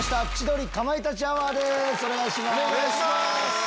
お願いします。